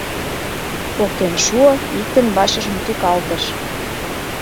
Поктен шуо, иктын вачыжым тӱкалтыш: